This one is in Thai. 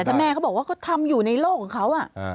แต่แม่เขาบอกว่าเขาทำอยู่ในโลกของเขา